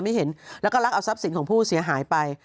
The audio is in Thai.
แล้วก็รักเอาทรัพย์สินของผู้เสียหายไป